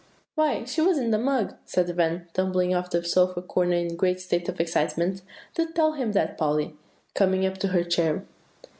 '" "Why, she was in the mug," said Van, tumbling off from the sofa corner in a great state of excitement; "do tell him that, Polly," coming up to her chair.